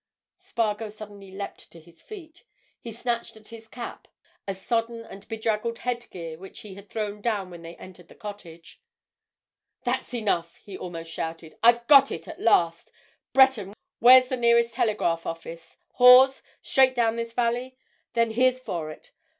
Spargo suddenly leapt to his feet. He snatched at his cap—a sodden and bedraggled headgear which he had thrown down when they entered the cottage. "That's enough!" he almost shouted. "I've got it—at last! Breton—where's the nearest telegraph office? Hawes? Straight down this valley? Then, here's for it!